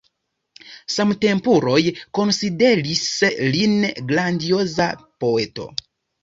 Samtempuloj konsideris lin grandioza poeto.